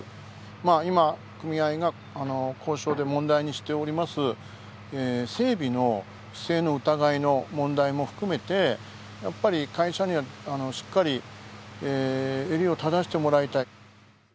まあ今組合が交渉で問題にしております整備の不正の疑いの問題も含めてやっぱり会社にはしっかり襟を正してもらいたい。